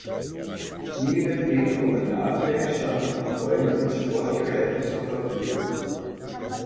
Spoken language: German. Neben dem Promenadendeck standen auch Räume mit Sportgeräten zur Verfügung.